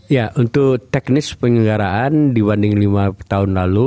ya untuk teknis penyelenggaraan dibanding lima tahun lalu